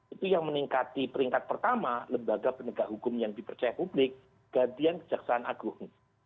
itu yang meningkati peringkat pertama lembaga lembaga hukum yang dipercaya publik gantian kejaksaan agung